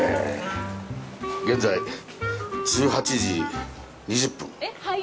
現在、１８時２０分。